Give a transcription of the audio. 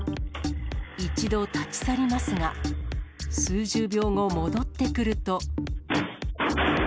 一度立ち去りますが、数十秒後、戻ってくると。